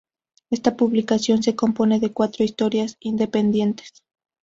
Esta publicación se compone de cuatro historias independientes.